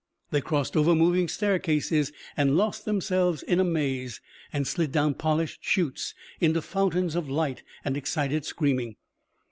They crossed over moving staircases and lost themselves in a maze, and slid down polished chutes into fountains of light and excited screaming.